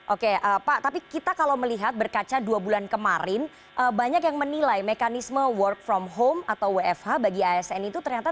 oke pak tapi kita kalau melihat berkaca dua bulan kemarin banyak yang menilai mekanisme work from home atau wfh bagi asn itu ternyata